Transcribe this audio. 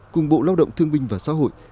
cùng bộ lao động thương minh và xã hội